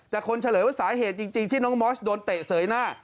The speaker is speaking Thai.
แต่คนเฉลยว่าสาเหตุจริงที่น้องมอสโดนเตะเสยหน้า